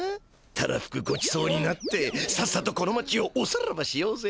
たらふくごちそうになってさっさとこの町をおさらばしようぜ。